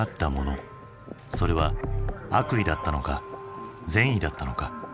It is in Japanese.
それは悪意だったのか善意だったのか。